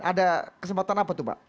ada kesempatan apa tuh pak